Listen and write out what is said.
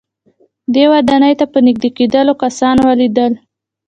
دې ودانۍ ته په نږدې کېدلو کسان وليدل.